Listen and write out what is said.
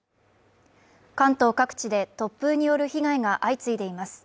関東各地で突風による被害が相次いでいます。